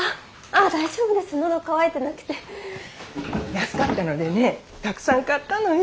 安かったのでねたくさん買ったのよ。